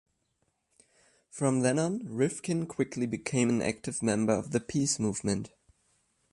From then on, Rifkin quickly became an active member of the peace movement.